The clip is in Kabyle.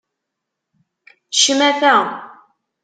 Ccmata!